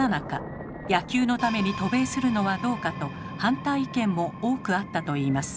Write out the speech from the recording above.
野球のために渡米するのはどうかと反対意見も多くあったといいます。